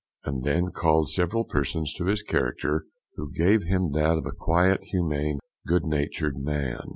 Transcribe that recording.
And then called several persons to his character; who gave him that of a quiet, humane, good natured man.